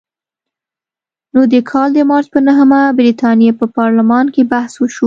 نو د کال د مارچ په نهمه د برتانیې په پارلمان کې بحث وشو.